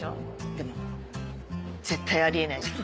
でも絶対あり得ないじゃん。